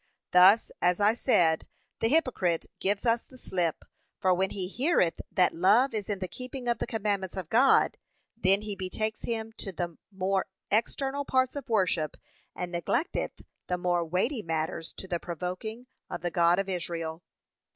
Thus, as I said, the hypocrite gives us the slip; for when he heareth that love is in the keeping of the commandments of God, then he betakes him to the more external parts of worship, and neglecteth the more weighty matters to the provoking of the God of Israel.